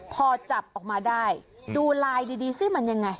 พอจับออกมาได้ดูลายดีสิมันยังไง